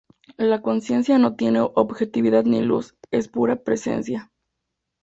La conciencia no tiene objetividad ni luz, es pura presencia.